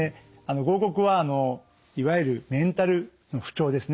合谷はいわゆるメンタルの不調ですね